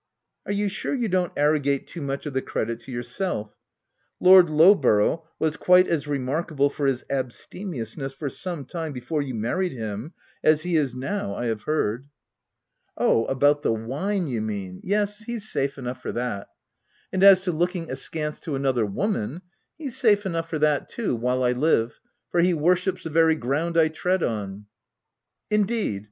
" Are you sure you don't arrogate too much of the credit to yourself? Lord Lowborough was quite as remarkable for his abstemiousness for some time before you married him, as he is now. I have heard." OF WILDFELL HALL. 147 " Oh, about the wine you mean — yes, he's safe enough for that. And as to looking askance to another woman — he's safe enough for that too, while I live, for he worships the very ground I tread on." " Indeed